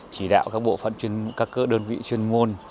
chỉ đạo các bộ phận chuyên các cơ đơn vị chuyên môn